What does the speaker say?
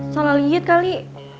salah liit kali